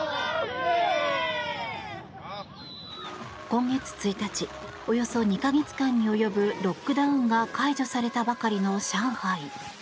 今月１日およそ２か月間に及ぶロックダウンが解除されたばかりの上海。